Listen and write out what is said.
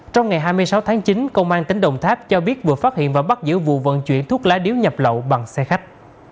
trong ngày hai mươi sáu tháng chín công an tỉnh đồng tháp cho biết vừa phát hiện và bắt giữ vụ vận chuyển thuốc lá điếu nhập lậu bằng xe khách